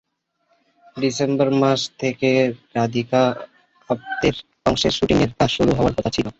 December মাস থেকে রাধিকা আপ্তের অংশের শুটিংয়ের কাজ শুরু হওয়ার কথা ছিল।